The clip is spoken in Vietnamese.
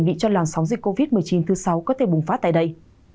đề nghị cho làn sóng dịch covid một mươi chín thứ sáu có thể bùng phát tại đây